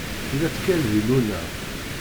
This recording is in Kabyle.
Yella ttkal di Luna.